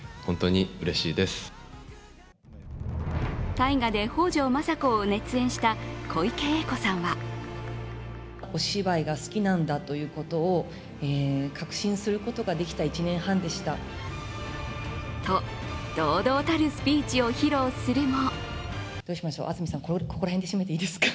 大河で北条政子を熱演した小池栄子さんはと堂々たるスピーチを披露するも。